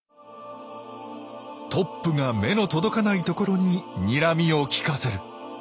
トップが目の届かないところににらみを利かせる。